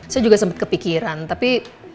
saya juga sempat kepikiran tapi